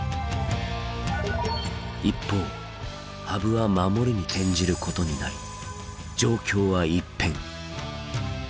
一方羽生は守りに転じることになり状況は一変！